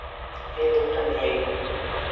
এই লোকটা নীল।